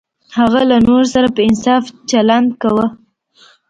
هغه له نورو سره په انصاف چلند کاوه.